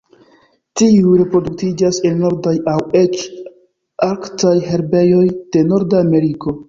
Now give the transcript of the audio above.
Tiuj reproduktiĝas en nordaj aŭ eĉ arktaj herbejoj de Norda Ameriko.